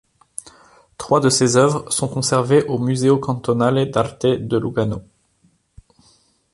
Trois de ses œuvres sont conservées au Museo Cantonale d'Arte de Lugano.